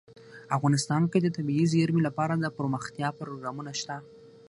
افغانستان کې د طبیعي زیرمې لپاره دپرمختیا پروګرامونه شته.